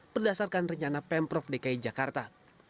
berdasarkan rencana pemprov dki jakarta